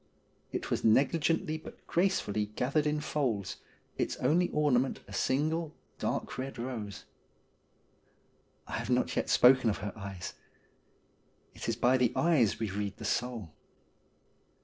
It was negligently but gracefully gathered in folds, its only ornament a single dark red rose. I have not yet spoken of her eyes. It is by the eyes we read the soul.